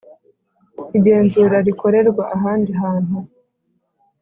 igenzura rikorerwa ahandi hantu